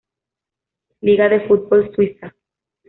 Liga del fútbol suiza.